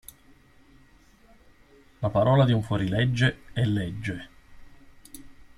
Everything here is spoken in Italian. La parola di un fuorilegge... è legge!